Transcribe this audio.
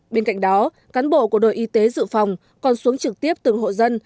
bên cạnh đó cán bộ của đội y tế dự phòng còn xuống trực tiếp từng hộ dân